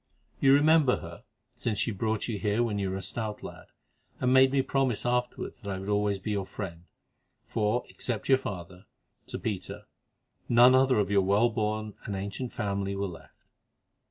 You remember her, since she brought you here when you were a stout lad, and made me promise afterwards that I would always be your friend, for except your father, Sir Peter, none other of your well born and ancient family were left.